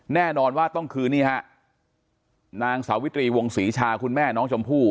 แน่นอนว่าต้องคือนี่ฮะนางสาวิตรีวงศรีชาคุณแม่น้องชมพู่